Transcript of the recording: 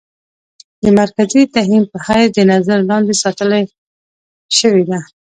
د مرکزي تهيم په حېث د نظر لاندې ساتلے شوې ده.